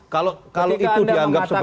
kalau itu dianggap sebagai